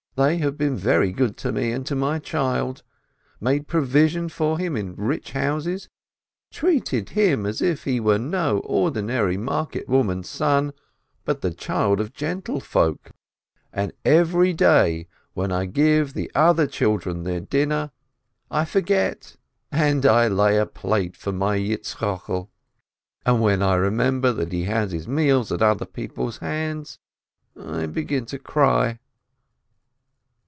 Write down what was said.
They have been very good to me and to my child, made provision for him in rich houses, treated him as if he were no market woman's son, but the child of gentle folk, and yet every day when I give the other children 520 ASCH their dinner, I forget, and lay a plate for my Yitzchokel too, and when I remember that he has his meals at other people's hands, I begin to cry."